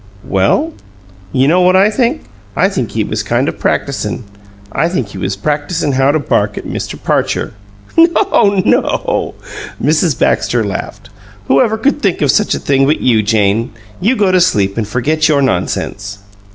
"Well?" "You know what I think? I think he was kind of practisin'. I think he was practisin' how to bark at Mr. Parcher." "No, no!" Mrs. Baxter laughed. "Who ever could think of such a thing but you, Jane! You go to sleep and forget your nonsense!"